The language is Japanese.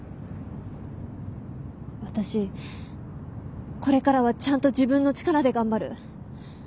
私これからはちゃんと自分の力で頑張る。